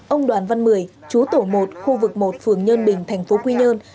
ông đoàn văn mười chú tổ một khu vực một phường nhân bình thành phố quy nhơn